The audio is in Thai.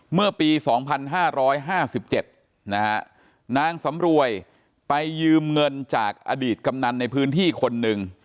เมื่อปีสองพันห้าร้อยห้าสิบเจ็ดนะฮะนางสำรวยไปยืมเงินจากอดีตกำนันในพื้นที่คนหนึ่ง